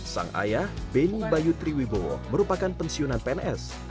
sang ayah beni bayu triwibowo merupakan pensiunan pns